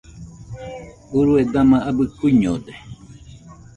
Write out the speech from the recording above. Urue dama abɨ kuiñode